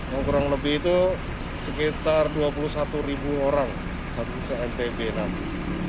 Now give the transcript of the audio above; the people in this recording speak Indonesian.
yang kurang lebih itu sekitar dua puluh satu ribu orang dari cnpb nanti